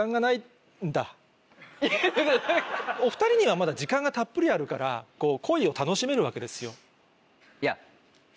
お２人にはまだ時間がたっぷりあるから恋を楽しめるわけですよ。